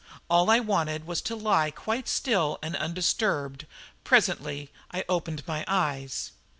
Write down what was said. All I wanted was to lie quite still and undisturbed. Presently I opened my eyes.